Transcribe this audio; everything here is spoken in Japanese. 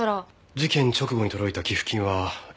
事件直後に届いた寄付金は一体誰が。